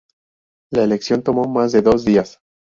La elección tomó más de dos días.